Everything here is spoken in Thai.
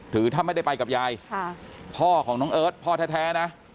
หรือถ้าไม่ได้ไปกับยายพ่อของน้องเอิร์ทพ่อแท้นะ